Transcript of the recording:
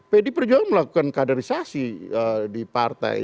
pdi perjuangan melakukan kaderisasi di partai